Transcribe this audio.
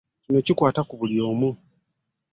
Kino kikwata ku buli wamu.